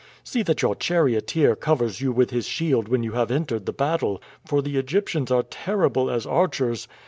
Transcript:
See that your charioteer covers you with his shield when you have entered the battle, for the Egyptians are terrible as archers.